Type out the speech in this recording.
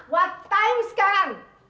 what time sekarang